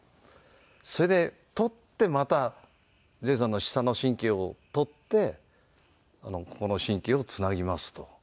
それで取ってまたレーザーの舌の神経を取ってここの神経をつなぎますと。